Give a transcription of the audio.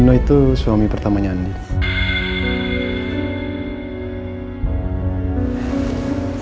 dino itu suami pertamanya andi